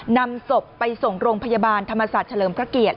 นำศพไปส่งโรงพยาบาลธรรมศาสตร์เฉลิมพระเกียรติ